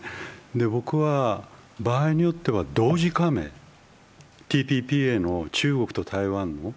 僕は場合によっては同時加盟、ＴＰＰへの中国と台湾の。